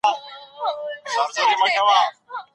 ته له هر چا سره په غوږ کې کوم پټ راز شریکوې؟